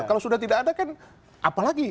kalau sudah tidak ada kan apa lagi